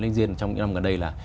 trong những năm gần đây là